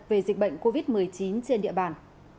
về dịch bệnh covid một mươi chín trên địa bàn